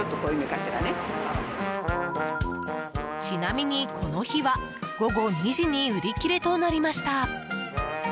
ちなみに、この日は午後２時に売り切れとなりました。